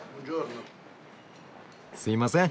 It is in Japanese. すいません。